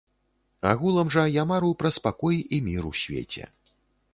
Агулам жа я мару пра спакой і мір у свеце.